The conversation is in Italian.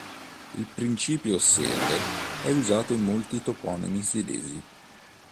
Il principio "sel" è usato in molti toponimi svedesi.